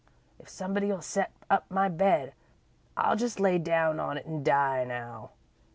If somebody'll set up my bed, I'll just lay down on it an' die now.